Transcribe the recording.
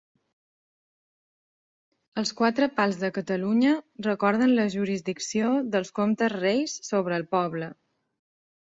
Els quatre pals de Catalunya recorden la jurisdicció dels comtes reis sobre el poble.